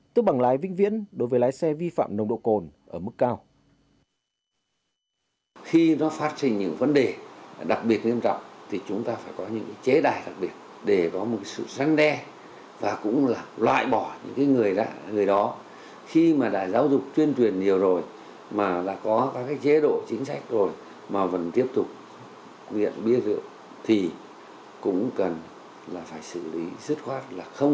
tức bằng lái vinh viễn đối với lái xe vi phạm nồng độ cồn ở mức cao